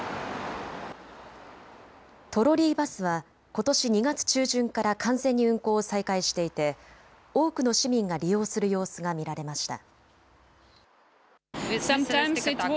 トロリーバスはことし２月中旬から完全に運行を再開していては多くの市民が利用する様子が見られました。